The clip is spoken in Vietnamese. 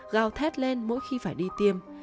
gào thét lên mỗi khi phải đi tiêm